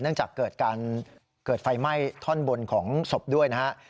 เนื่องจากเกิดการเกิดไฟไหม้ท่อนบนของศพด้วยนะฮะ